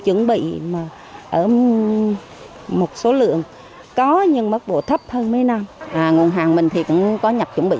chuẩn bị mà ở một số lượng có nhưng mức độ thấp hơn mấy năm nguồn hàng mình thì cũng có nhập chuẩn bị